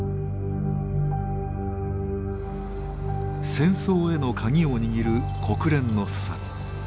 戦争への鍵を握る国連の査察。